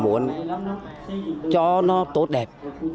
muốn cho nó tốt đẹp